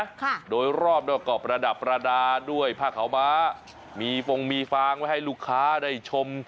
ค่ะโดยรอบแล้วก็ประดับประดาษด้วยผ้าขาวม้ามีฟงมีฟางไว้ให้ลูกค้าได้ชม